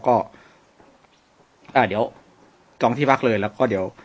ก็อ่าเดี๋ยวจองที่พักเลยแล้วก็เดี๋ยว